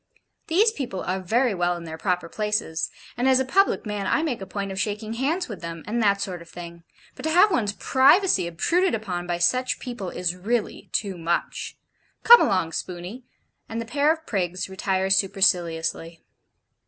'These people are very well in their proper places, and as a public man, I make a point of shaking hands with them, and that sort of thing; but to have one's privacy obtruded upon by such people is really too much. Come along, Spooney,' and the pair of prigs retire superciliously.